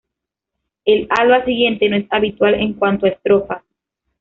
El alba siguiente no es habitual en cuanto a estrofas.